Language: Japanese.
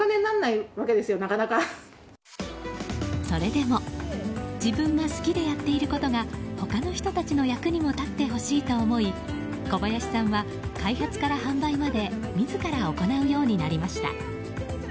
それでも自分が好きでやっていることが他の人たちの役にも立ってほしいと思いこばやしさんは開発から販売まで自ら行うようになりました。